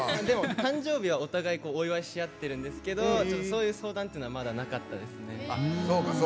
誕生日はお互いお祝いし合ってるんですけどそういう相談っていうのはまだなかったですね。